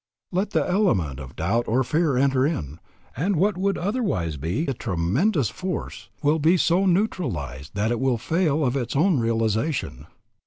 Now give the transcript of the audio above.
Let the element of doubt or fear enter in, and what would otherwise be a tremendous force will be so neutralized that it will fail of its realization.